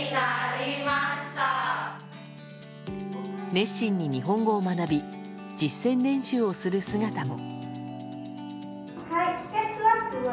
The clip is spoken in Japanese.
熱心に日本語を学び実践練習をする姿も。